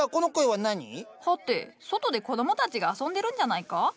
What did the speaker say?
外で子供たちが遊んでるんじゃないか？